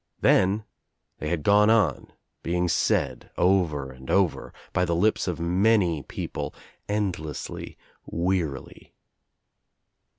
Then they had gone on being said, over and over, by • the lips of many people, endlessly, wearily.